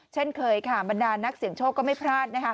เช่นเคยค่ะบรรดานักเสี่ยงโชคก็ไม่พลาดนะคะ